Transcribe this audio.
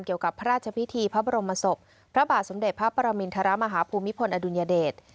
เกี่ยวกับพระราชพิธีพระบรมศพพระบาทสมเด็จพระปรมินทรมาฮภูมิพลอดุลยเดช